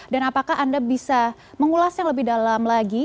dan apakah anda bisa mengulas yang lebih dalam lagi